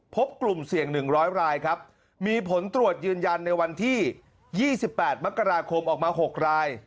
พบกลุ่มเสี่ยงหนึ่งร้อยรายครับมีผลตรวจยืนยันในวันที่ยี่สิบแปดมกราคมออกมาหกราย